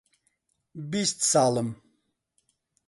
بیست ساڵم.